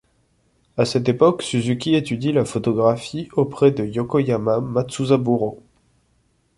À cette époque, Suzuki étudie la photographie auprès de Yokoyama Matsusaburo.